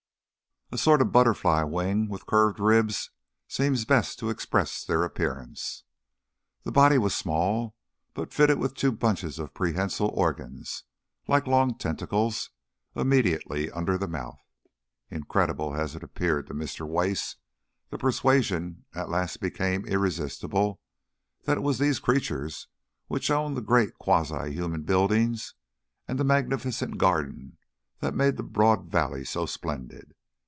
(A sort of butterfly wing with curved ribs seems best to express their appearance.) The body was small, but fitted with two bunches of prehensile organs, like long tentacles, immediately under the mouth. Incredible as it appeared to Mr. Wace, the persuasion at last became irresistible, that it was these creatures which owned the great quasi human buildings and the magnificent garden that made the broad valley so splendid.